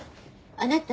あなた。